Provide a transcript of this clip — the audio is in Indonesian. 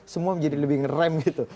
semua menjadi lebih ngerem gitu